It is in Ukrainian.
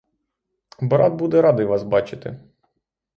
Брат буде радий вас бачити.